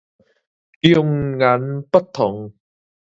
迥然不同